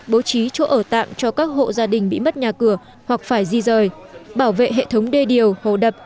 bố trí chỗ ở tạm cho các hộ gia đình bị mất nhà cửa hoặc phải di rời bảo vệ hệ thống đê điều hồ đập